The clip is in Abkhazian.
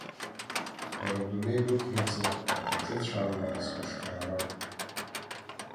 Бара адунеи бықәнаҵы иҿыцәаауам схәышҭаара.